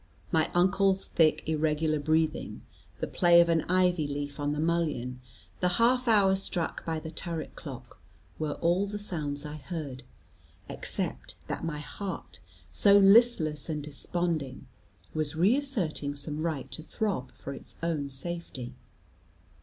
My uncle's thick irregular breathing, the play of an ivy leaf on the mullion, the half hour struck by the turret clock, were all the sounds I heard; except that my heart, so listless and desponding, was re asserting some right to throb for its own safety.